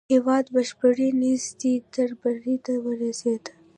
هېواد بشپړې نېستۍ تر بريده ورسېد.